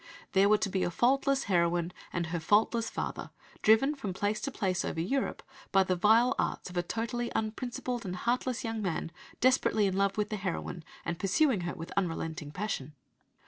There were to be a "faultless" heroine and her "faultless" father driven from place to place over Europe by the vile arts of a "totally unprincipled and heartless young man, desperately in love with the heroine, and pursuing her with unrelenting passion."